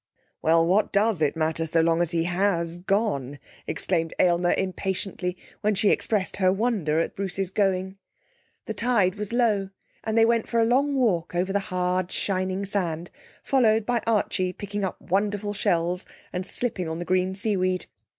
'Well, what does it matter so long as he has gone!' exclaimed Aylmer impatiently, when she expressed her wonder at Bruce's going. The tide was low, and they went for a long walk over the hard shining sand, followed by Archie picking up wonderful shells and slipping on the green seaweed.